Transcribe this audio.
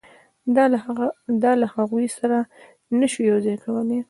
دا له هغوی سره نه شو یو ځای کولای.